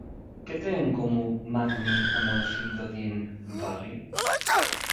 Què té en comú Magni amb el fill d'Odin, Vali?